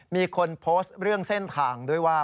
มีคนโพสต์เรื่องเส้นทางด้วยว่า